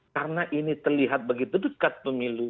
karena ini terlihat begitu dekat pemilu